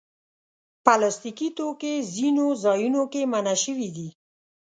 پلاستيکي توکي ځینو ځایونو کې منع شوي دي.